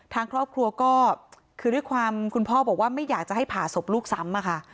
ทางครอบครัวก็คือด้วยความคุณพ่อบอกว่าไม่อยากจะให้ผ่าศพลูกซ้ำอะค่ะ